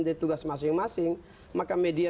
di kendaraan gitu ya